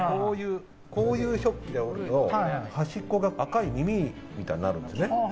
こういうので織ると端っこが赤い耳みたいになるんですね。